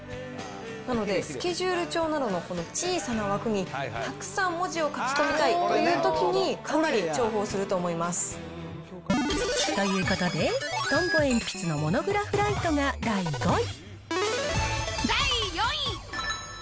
なので、スケジュール帳などの小さな枠にたくさん文字を書き込みたいというときに、ということで、トンボ鉛筆のモノグラフライトが第５位。